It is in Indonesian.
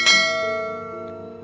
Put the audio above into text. aku harus pergi mencari mereka